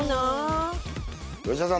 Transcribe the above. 吉田さん